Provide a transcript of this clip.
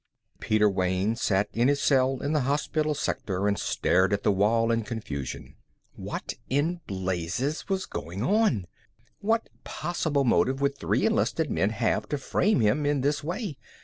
Peter Wayne sat in his cell in the hospital sector and stared at the wall in confusion. What in blazes was going on? What possible motive would three enlisted men have to frame him in this way?